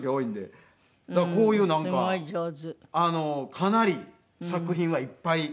かなり作品はいっぱい。